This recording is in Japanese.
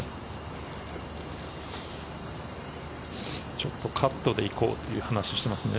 ちょっとカットで行こうという話をしてますね。